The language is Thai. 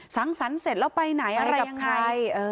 สังสรรค์เสร็จแล้วไปไหนอะไรกับใคร